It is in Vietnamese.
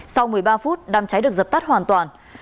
sau một mươi ba phút đám cháy được dập tắt hoàn toàn